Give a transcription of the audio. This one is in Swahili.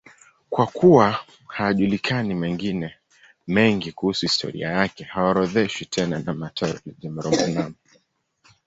Kwa kuwa hayajulikani mengine mengi kuhusu historia yake, haorodheshwi tena na Martyrologium Romanum.